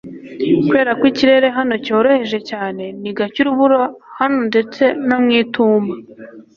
kubera ko ikirere hano cyoroheje cyane, ni gake urubura hano ndetse no mu itumba